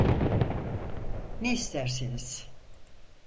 Ne isterseniz.